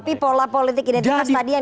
tapi pola politik identitas tadi yang